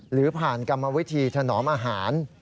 หรือผ่านกรรมวิธีถนอมอาหาร